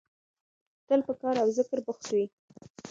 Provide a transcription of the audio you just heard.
تل په کار او ذکر بوخت وي.